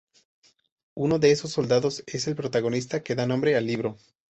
Uno de esos soldados es el protagonista que da nombre al libro.